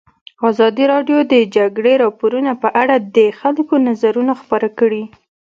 ازادي راډیو د د جګړې راپورونه په اړه د خلکو نظرونه خپاره کړي.